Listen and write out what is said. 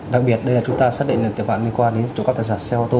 đặc biệt đây là chúng ta xác định là tội phạm liên quan đến trộm cắp tài sản xe ô tô